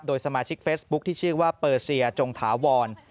โดยสมาชิกเฟซบุ๊คที่ชื่อว่าเปอร์เซียจงถาวร